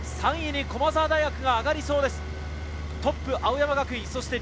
３位に駒澤大学が上がりそうです。